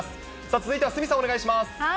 続いては鷲見さん、お願いします。